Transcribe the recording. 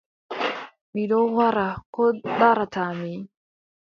Mi ɗon wara ko ndaarataa mi ?